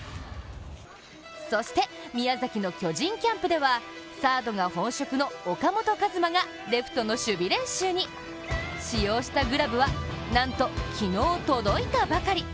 そして宮崎の巨人キャンプではサードが本職の岡本和真がレフトの守備練習に使用したグラブはなんと昨日届いたばかり。